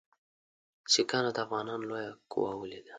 سیکهانو د افغانانو لویه قوه ولیده.